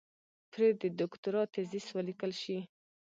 پرې د دوکتورا تېزس وليکل شي.